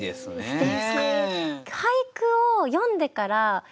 すてき！